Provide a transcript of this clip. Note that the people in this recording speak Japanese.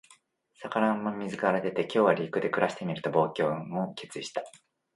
魚が水から出て、「今日は陸で暮らしてみる」と冒険を決意した。